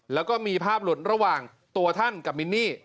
แล้วก็มีภาพหลุดระหว่างตัวท่านกับมินนี่